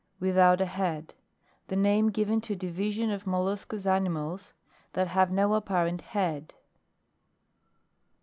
With out a head. The name given to a division of molluscous animals that have no apparent head.